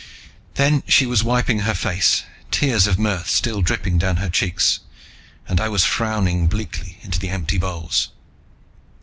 Then she was wiping her face, tears of mirth still dripping down her cheeks, and I was frowning bleakly into the empty bowls.